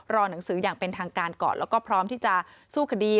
หนังสืออย่างเป็นทางการก่อนแล้วก็พร้อมที่จะสู้คดี